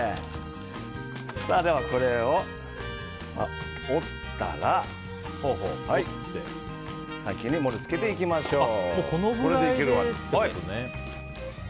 これを折ったら先に盛り付けていきましょう。